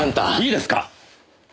いいですか？